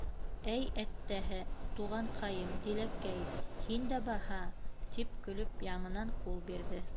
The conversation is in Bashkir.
— Әй әттәһе, туғанҡайым Диләкәй, һин дә баһа! — тип көлөп яңынан ҡул бирҙе.